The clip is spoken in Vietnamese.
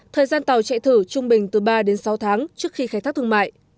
thời gian tàu chạy thử trung bình từ ba đến sáu tháng trước khi khai thác thương mại